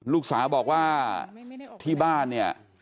ลูกสาวบอกว่าที่บ้านเนี่ย